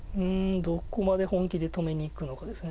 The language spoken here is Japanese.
どこまで本気で止めにいくのかです。